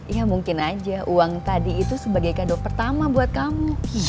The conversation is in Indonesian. ya mungkin aja uang tadi itu sebagai kado pertama buat kamu